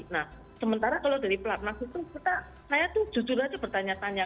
nah sementara kalau dari pelatnas itu saya tuh jujur aja bertanya tanya